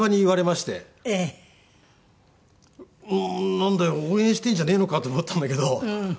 なんだよ応援してんじゃねえのか？と思ったんだけど。